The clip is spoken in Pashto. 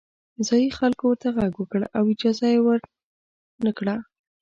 ځايي خلکو ورته غږ وکړ او اجازه یې ورنه کړه.